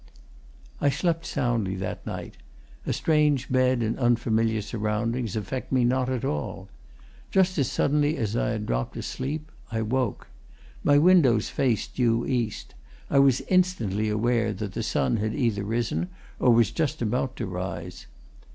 I slept soundly that night a strange bed and unfamiliar surroundings affect me not at all. Just as suddenly as I had dropped asleep, I woke. My windows face due east I was instantly aware that the sun had either risen or was just about to rise.